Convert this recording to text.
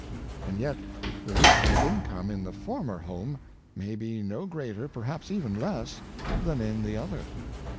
And yet the weekly income in the former home may be no greater, perhaps even less, than in the other.